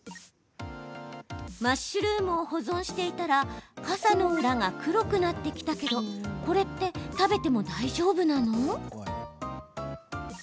マッシュルームを保存していたら傘の裏が黒くなってきたけどこれって食べても大丈夫なの？